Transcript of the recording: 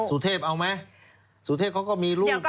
สุเธบเอาไหมสุเธบเขาก็มีรูปนะ